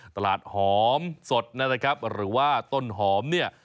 ตลาดหอมสดนะครับหรือว่าต้นหอมเนี่ย